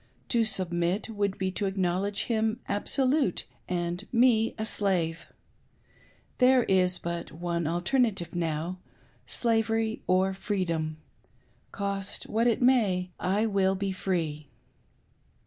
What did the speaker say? "To submit. would be to ac knowledge him absolute, and me a slave. There is but one alternative now — slavery or freedom. Cost me what it may, I w/// be free!"